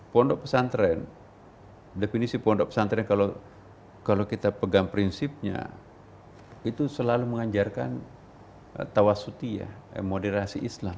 pondok pesantren definisi pondok pesantren kalau kita pegang prinsipnya itu selalu mengajarkan tawasuti ya moderasi islam